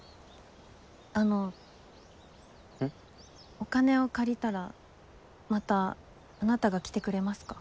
お金を借りたらまたあなたが来てくれますか？